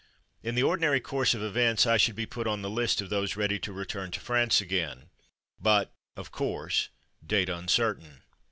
^" In the ordinary course of events I should be put on the list of those ready to return to France again, but, of course, date uncertain.